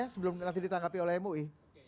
sebelum ditangkap oleh mui